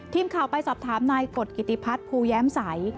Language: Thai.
ทีมข่าวไปสอบถามนายกฎกิติพัฒน์ภูแย้มใส